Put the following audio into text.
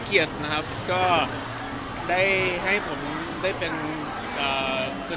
คิดคำสุขยังไงบ้าง